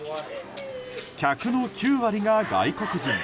客の９割が外国人。